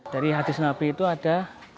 dari hadis nabi itu ada